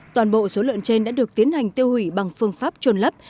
toàn bộ số lợn trên đã được tiến hành tiêu hủy bằng phương pháp trôn lấp